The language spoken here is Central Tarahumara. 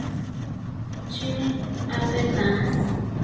Chi á pe tá.